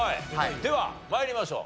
では参りましょう。